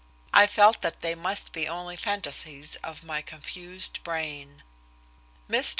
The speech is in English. I felt that they must be only fantasies of my confused brain. "Mr.